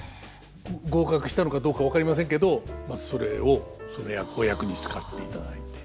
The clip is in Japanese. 合格したのかどうか分かりませんけどそれをそのお役に使っていただいて。